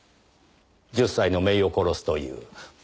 １０歳の姪を殺すという。